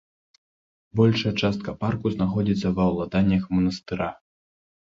Большая частка парку знаходзіцца ва ўладаннях манастыра.